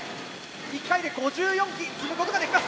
１回で５４機積むことができます。